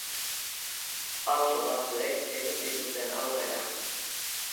Pauso batzuk egin zituzten aurrera.